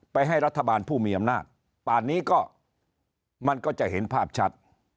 ให้รัฐบาลผู้มีอำนาจป่านนี้ก็มันก็จะเห็นภาพชัด